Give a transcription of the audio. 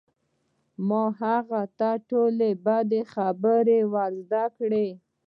ما هغه ته زما ټولې بدې خبرې ور زده کړې